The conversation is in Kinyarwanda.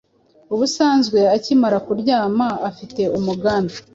Ubusanzwe ukimara kuryama ufite umugambi